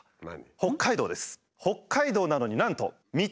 北海道です。